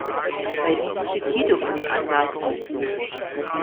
Bei diesen steht "hito-" in den Anmerkungen.